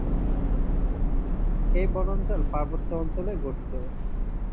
এই বনাঞ্চল পার্বত্য অঞ্চলে গঠিত।